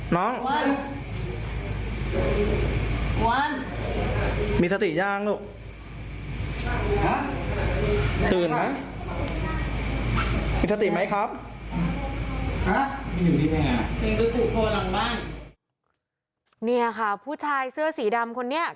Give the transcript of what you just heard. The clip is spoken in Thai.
นี่ค่ะผู้ชายเสื้อสีดำคนนี้